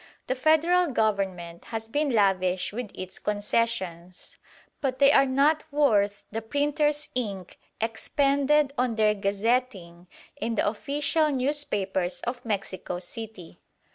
The Federal Government has been lavish with its concessions; but they are not worth the printer's ink expended on their gazetting in the official newspapers of Mexico City.